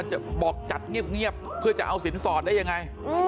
จะบอกจัดเงียบเพื่อจะเอาสินสอดได้ยังไง